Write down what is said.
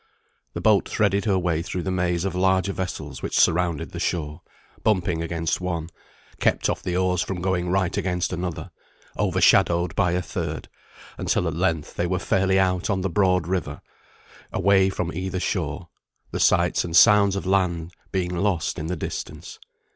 The boat threaded her way through the maze of larger vessels which surrounded the shore, bumping against one, kept off by the oars from going right against another, overshadowed by a third, until at length they were fairly out on the broad river, away from either shore; the sights and sounds of land being lost in the distance.